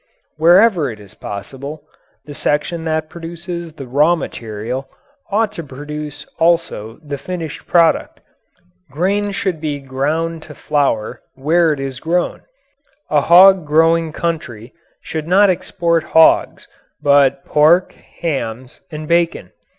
Wherever it is possible, the section that produces the raw material ought to produce also the finished product. Grain should be ground to flour where it is grown. A hog growing country should not export hogs, but pork, hams, and bacon.